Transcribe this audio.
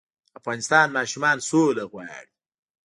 د افغانستان ماشومان سوله غواړي